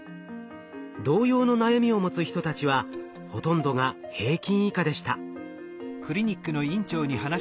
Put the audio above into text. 同様の悩みを持つ人たちはほとんどが平均以下でした。